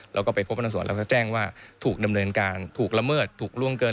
แล้วก็ไปพบพนักงานสอบสวนแล้วก็แจ้งว่าถูกดำเนินการถูกละเมิดถูกล่วงเกิน